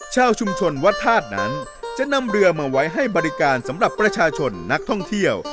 ชาวชุมชนวัดธาตุนั้นจะนำเรือมาไว้ให้บริการสำหรับประชาชนนักท่องเที่ยว